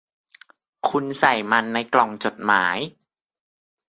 คุณใส่มันในกล่องจดหมาย